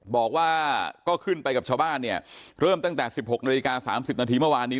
บอกว่าก็ขึ้นไปกับชาวบ้านเนี่ยเริ่มตั้งแต่๑๖นาฬิกา๓๐นาทีเมื่อวานนี้